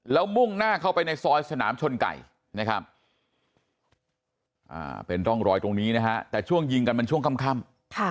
แล้วมุ่งหน้าเข้าไปในซอยสนามชนไก่นะครับเป็นร่องรอยตรงนี้นะฮะแต่ช่วงยิงกันมันช่วงค่ำ